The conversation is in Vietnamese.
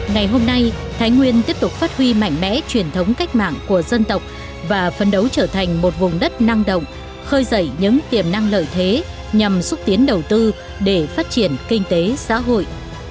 ngày hôm nay thái nguyên tiếp tục phát huy mạnh mẽ truyền thống cách mạng của dân tộc và phân đấu trở thành một vùng đất năng động khơi dậy những tiềm năng lợi thế nhằm xúc tiến đầu tư để phát triển kinh tế xã hội